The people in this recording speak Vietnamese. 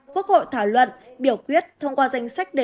quốc hội thảo luận biểu quyết